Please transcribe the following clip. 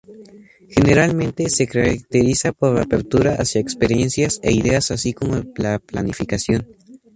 Generalmente, se caracteriza por apertura hacia experiencias e ideas así como la planificación.